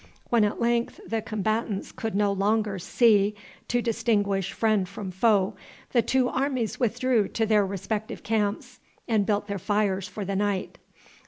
When at length the combatants could no longer see to distinguish friend from foe, the two armies withdrew to their respective camps, and built their fires for the night.